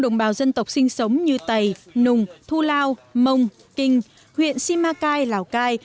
đồng bào dân tộc sinh sống như tày nùng thu lao mông kinh huyện simacai lào cai